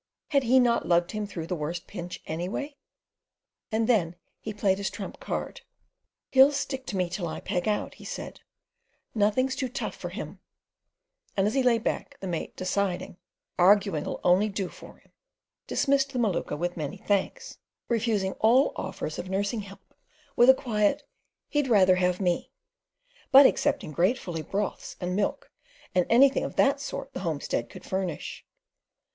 "Had he not lugged him through the worst pinch already?" and then he played his trump card: "He'll stick to me till I peg out," he said—"nothing's too tough for him"; and as he lay back, the mate deciding "arguing'll only do for him," dismissed the Maluka with many thanks, refusing all offers of nursing help with a quiet "He'd rather have me," but accepting gratefully broths and milk and anything of that sort the homestead could furnish.